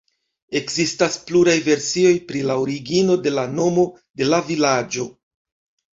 Ekzistas pluraj versioj pri la origino de la nomo de la vilaĝo.